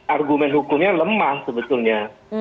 argumen hukumnya lemah sebetulnya